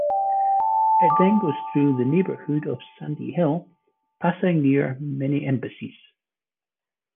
It then goes through the neighbourhood of Sandy Hill, passing near many embassies.